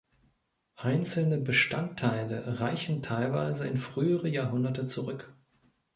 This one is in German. Einzelne Bestandteile reichen teilweise in frühere Jahrhunderte zurück.